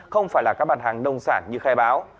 không phải là các bản hàng nông sản như khai báo